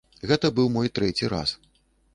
Гэта быў мой трэці раз.